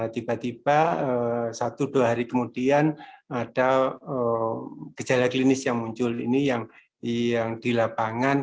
tiba tiba satu dua hari kemudian ada gejala klinis yang muncul ini yang di lapangan